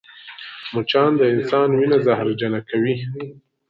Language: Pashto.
مچان د انسان وینه زهرجنه کوي